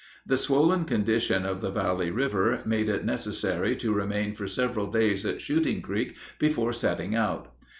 The swollen condition of the Valley River made it necessary to remain for several days at Shooting Creek before setting out.